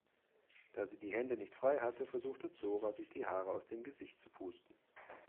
Da sie die Hände nicht frei hatte, versuchte Zora sich die Haare aus dem Gesicht zu pusten.